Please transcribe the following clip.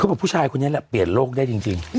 ถ้ามาผู้ชายคุณเนียนแหละเปลี่ยนโลกได้จริง